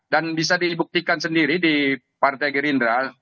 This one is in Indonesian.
dan bisa dibuktikan sendiri di partai gerindra